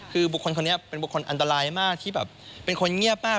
คือบุคคลอันตรายมากที่เป็นคนเงียบมาก